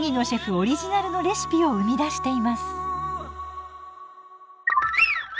オリジナルのレシピを生み出しています。